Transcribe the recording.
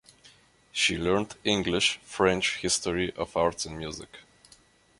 She learnt English, French, history of arts and music.